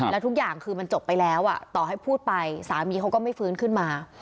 แล้วทุกอย่างคือมันจบไปแล้วต่อให้พูดไปสามีเขาก็ไม่ฟื้นขึ้นมา